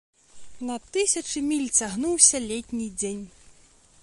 На тысячы міль цягнуўся летні дзень.